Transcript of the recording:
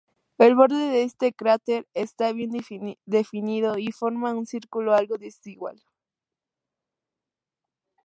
El borde de este cráter está bien definido y forma un círculo algo desigual.